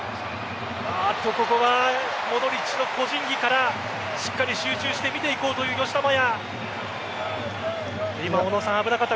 ここはモドリッチの個人技からしっかり集中して見ていこうという吉田麻也。